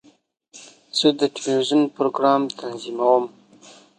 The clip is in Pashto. زه د ټلویزیون پروګرام تنظیموم.